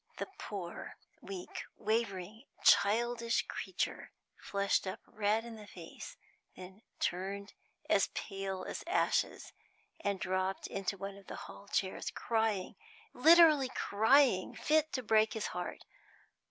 The poor, weak, wavering, childish creature flushed up red in the face, then turned as pale as ashes, and dropped into one of the hall chairs crying literally crying fit to break his heart.